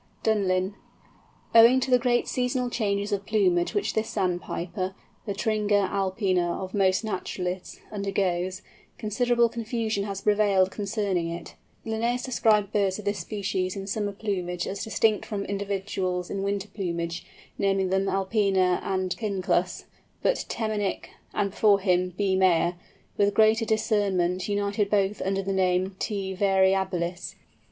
DUNLIN. Owing to the great seasonal changes of plumage which this Sandpiper—the Tringa alpina of most naturalists—undergoes, considerable confusion has prevailed concerning it. Linnæus described birds of this species in summer plumage as distinct from individuals in winter plumage, naming them alpina and cinclus; but Temminck (and before him B. Meyer) with greater discernment united both under the name of T. variabilis.